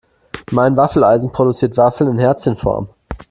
Mein Waffeleisen produziert Waffeln in Herzchenform.